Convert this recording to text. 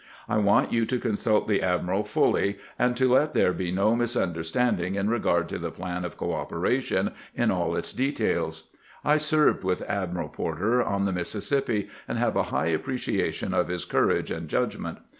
I want you to consult the admiral fully, and to let there be no misunderstanding in regard to the plan of cooperation in aU its details. I served with Admiral Porter on the Mississippi, and have a high appreciation of his courage and judgment.